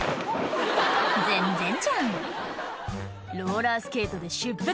全然じゃん「ローラースケートで出発